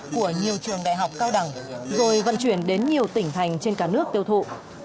của nhiều trường đại học cao đẳng rồi vận chuyển đến nhiều tỉnh thành trên cả nước tiêu thụ